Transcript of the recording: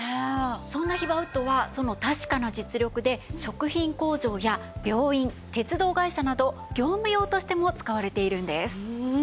そんなヒバウッドはその確かな実力で食品工場や病院鉄道会社など業務用としても使われているんです。